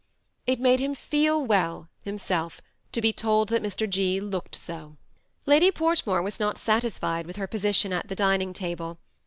It made him feel well himself to be told that Mr. G. looked so* Lady Fortmore was not satisfied with her position at the dining table.